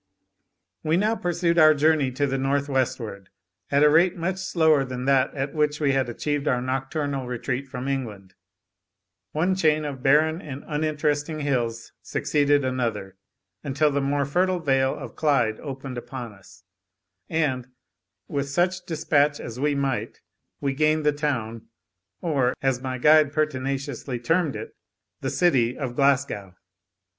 We now pursued our journey to the north westward, at a rate much slower than that at which we had achieved our nocturnal retreat from England. One chain of barren and uninteresting hills succeeded another, until the more fertile vale of Clyde opened upon us; and, with such despatch as we might, we gained the town, or, as my guide pertinaciously termed it, the city, of Glasgow.